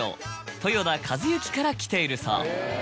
豊田一幸からきているそう。